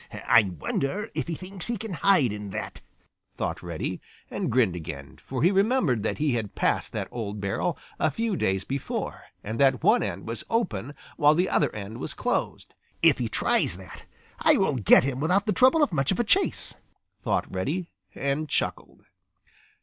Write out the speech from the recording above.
"I wonder if he thinks he can hide in that," thought Reddy, and grinned again, for he remembered that he had passed that old barrel a few days before, and that one end was open while the other end was closed. "If he tries that, I will get him without the trouble of much of a chase," thought Reddy, and chuckled.